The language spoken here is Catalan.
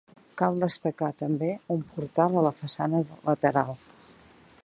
Cal destacar també un portal a la façana lateral.